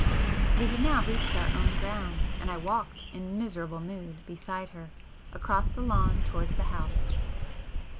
We had now reached our own grounds, and I walked, in miserable mood, beside her across the lawn towards the house.